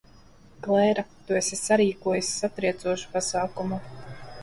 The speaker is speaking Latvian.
Klēra, tu esi sarīkojusi satriecošu pasākumu.